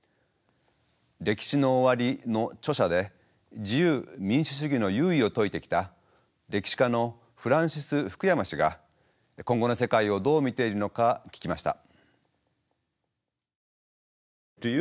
「歴史の終わり」の著者で自由民主主義の優位を説いてきた歴史家のフランシス・フクヤマ氏が今後の世界をどう見ているのか聞きました。